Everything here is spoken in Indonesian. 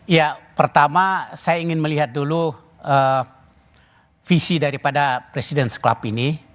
ya pertama saya ingin melihat dulu visi daripada presiden club ini